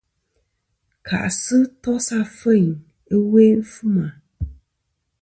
Kà'sɨ tos afeyn ɨlwe' fɨma.